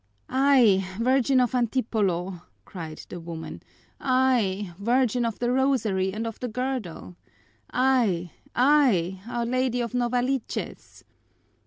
"Ay, Virgin of Antipolo!" cried the woman. "Ay, Virgin of the Rosary and of the Girdle! Ay, ay! Our Lady of Novaliches!"